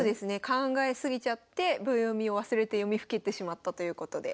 考え過ぎちゃって秒読みを忘れて読みふけってしまったということで。